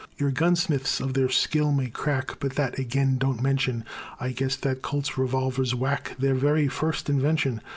Your gunsmiths of their skill may crack, But that again don't mention: I guess that Colts' revolvers whack Their very first invention.